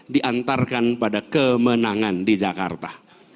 diantarkan pada kemenangan di jakarta